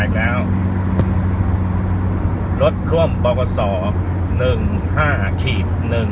อีกแล้วรถร่วมบอกสอหนึ่งห้าขีดหนึ่ง